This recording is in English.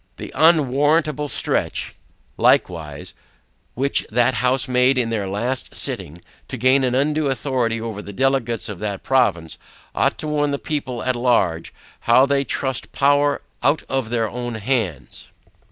The unwarrantable stretch likewise, which that house made in their last sitting, to gain an undue authority over the Delegates of that province, ought to warn the people at large, how they trust power out of their own hands.